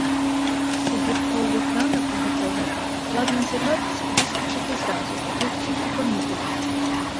Сидів коло вікна напоготові, ладний зірватись і вискочити зразу, як тільки помітить.